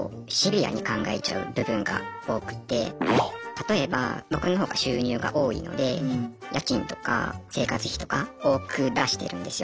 例えば僕の方が収入が多いので家賃とか生活費とか多く出してるんですよね。